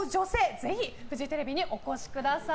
ぜひ、フジテレビにお越しください。